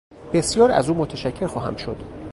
بسیار از او متشکر خواهم شد